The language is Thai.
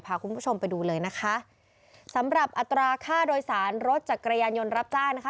พาคุณผู้ชมไปดูเลยนะคะสำหรับอัตราค่าโดยสารรถจักรยานยนต์รับจ้างนะคะ